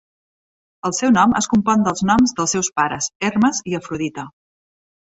El seu nom es compon dels noms dels seus pares, Hermes i Afrodita.